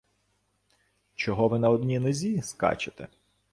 Чого ви на одній нозі скачете?